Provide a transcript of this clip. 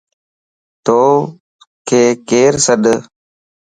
توڪ ڪير سَڏ؟